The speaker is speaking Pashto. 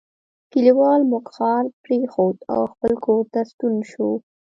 کلیوال موږک ښار پریښود او خپل کور ته ستون شو.